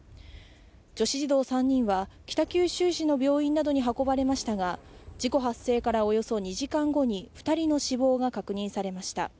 女子児童３人は北九州市の病院などに運ばれましたが、事故発生からおよそ２時間後に２人の死亡が確認されました。